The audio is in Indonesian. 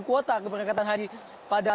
kuota keberangkatan haji pada